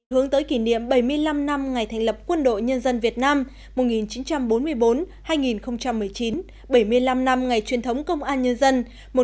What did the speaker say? hướng tới kỷ niệm bảy mươi năm năm ngày thành lập quân đội nhân dân việt nam một nghìn chín trăm bốn mươi bốn hai nghìn một mươi chín bảy mươi năm năm ngày truyền thống công an nhân dân một nghìn chín trăm bốn mươi năm hai nghìn hai mươi